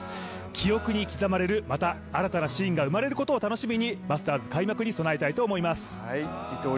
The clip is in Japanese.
記憶に刻まれる、また新たなシーンが生まれることを楽しみにマスターズ開幕に備えたいと思います。